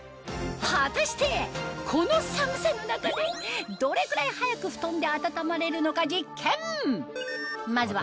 果たしてこの寒さの中でどれくらい早く布団で暖まれるのか実験